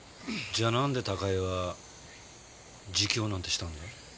じゃあなんで高井は自供なんてしたんだ？